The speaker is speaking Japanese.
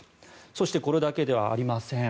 そしてこれだけではありません。